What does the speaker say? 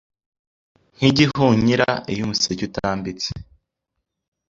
nkigihunyira iyo umuseke utambitse